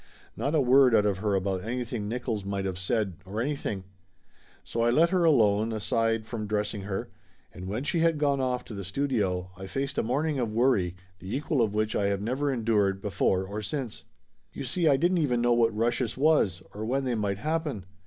Not a word out of her about anything Nickolls might of said, or anything ! So I let her alone, aside 168 Laughter Limited from dressing her, and when she had gone off to the studio I faced a morning of worry the equal of which I have never endured before or since. You see I didn't even know what rushes was, or when they might happen.